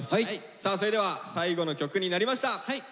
さあそれでは最後の曲になりました。